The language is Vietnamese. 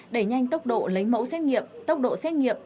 đẩy nhanh tốc độ lấy mẫu xét nghiệm tốc độ xét nghiệm